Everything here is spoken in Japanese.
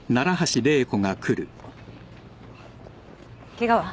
ケガは？